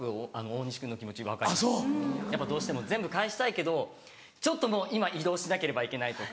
どうしても全部返したいけどちょっともう今移動しなければいけないとか。